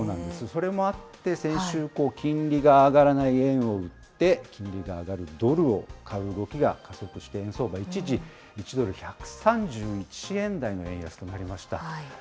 それもあって、先週、金利が上がらない円を売って、金利が上がるドルを買う動きが加速して、円相場、一時１ドル１３１円台の円安となりました。